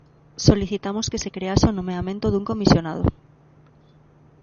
Solicitamos que se crease o nomeamento dun comisionado.